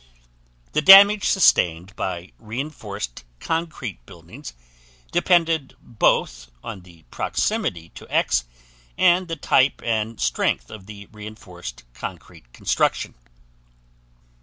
The damage sustained by reinforced concrete buildings depended both on the proximity to X and the type and strength of the reinforced concrete construction.